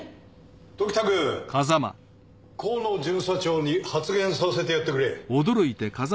時田くん河野巡査長に発言させてやってくれ。